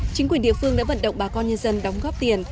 chính quyền địa phương đã vận động bà con nhân dân đóng góp tiền